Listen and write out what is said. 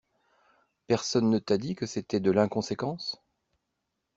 Personne ne t’a dit que c’était de l’inconséquence?